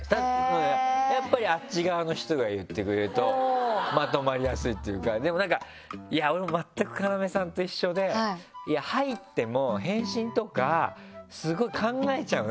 やっぱりあっち側の人が言ってくれるとまとまりやすいっていうかでもなんか俺も全く要さんと一緒で。って思ったから。